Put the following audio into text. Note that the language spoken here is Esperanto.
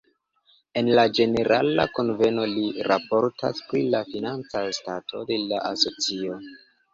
En la ĝenerala kunveno li raportas pri la financa stato de la asocio.